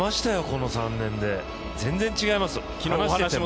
この３年で、全然、違います。